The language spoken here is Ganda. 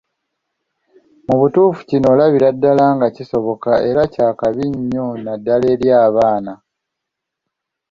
Mu butuufu kino olabira ddala nga kisoboka era kya kabi nnyo naddala eri abaana abato.